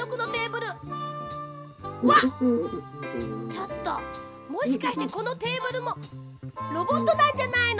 ちょっともしかしてこのテーブルもロボットなんじゃないの！？